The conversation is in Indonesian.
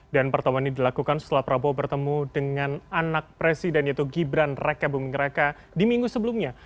dan pertemuan ini dilakukan setelah prabowo bertemu dengan anak presiden yaitu gibran reka bumingreka di minggu sebelumnya